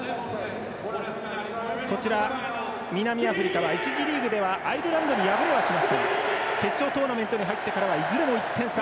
こちら南アフリカは１次リーグではアイルランドに敗れはしましたが決勝トーナメントに入ってからはいずれも１点差。